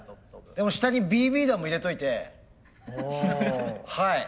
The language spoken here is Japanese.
でも下にＢＢ弾も入れといてはい。